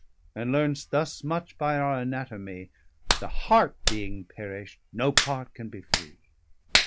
And learn'st thus much by our Anatomie, 185 The heart being perish'd, no part can be free.